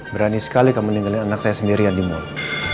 berani sekali kamu meninggalkan anak saya sendirian di mall